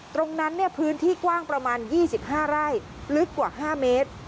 พื้นที่กว้างประมาณ๒๕ไร่ลึกกว่า๕เมตร